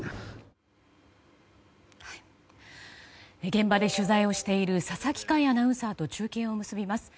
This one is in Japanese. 現場で取材している佐々木快アナウンサーと中継を結びます。